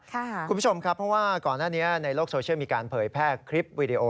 คุณผู้ชมครับเพราะว่าก่อนหน้านี้ในโลกโซเชียลมีการเผยแพร่คลิปวิดีโอ